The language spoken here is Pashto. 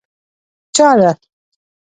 چا له.